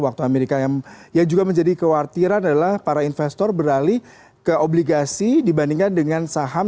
waktu amerika yang juga menjadi kekhawatiran adalah para investor beralih ke obligasi dibandingkan dengan saham